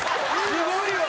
すごいわ。